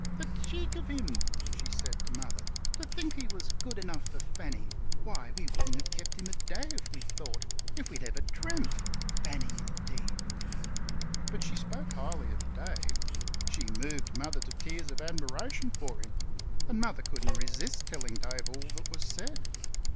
"The cheek of him" she said to Mother "to think he was good enough for Fanny! Why, we wouldn't have kept him a day if we'd thought if we'd even dreamt. Fanny, indeed!" But she spoke highly of Dave. She moved Mother to tears of admiration for him. And Mother couldn't resist telling Dave all that was said.